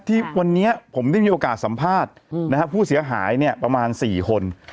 ที่วันนี้ผมได้มีโอกาสสัมภาษณ์ผู้เสียหายเนี่ยประมาณ๔คน